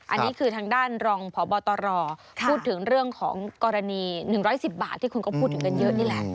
อันนี้คือทางด้านรองพบตรพูดถึงเรื่องของกรณี๑๑๐บาทที่คุณก็พูดถึงกันเยอะนี่แหละ